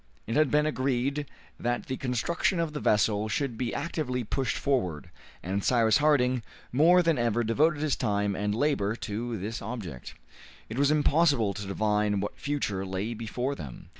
It had been agreed that the construction of the vessel should be actively pushed forward, and Cyrus Harding more than ever devoted his time and labor to this object. It was impossible to divine what future lay before them.